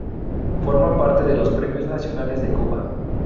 Forma parte de los Premios Nacionales de Cuba.